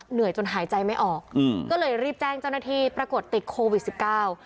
เหนื่อยจนหายใจไม่ออกอืมก็เลยรีบแจ้งเจ้าหน้าที่ปรากฏติดโควิดสิบเก้า